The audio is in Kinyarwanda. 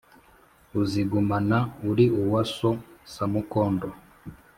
uzigumana uri uwa so samukondo